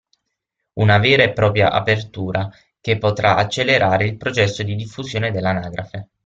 Una vera e propria apertura, che potrà accelerare il processo di diffusione dell'anagrafe.